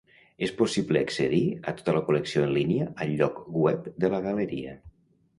És possible accedir a tota la col·lecció en línia al lloc web de la galeria.